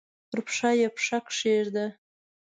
پر پښه یې پښه کښېږده!